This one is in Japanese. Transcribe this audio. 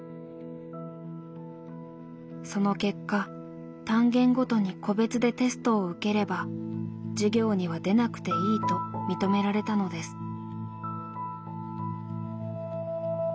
その結果単元ごとに個別でテストを受ければ授業には出なくていいと認められたのです。